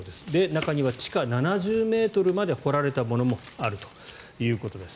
中には地下７０ｍまで掘られたものもあるということです。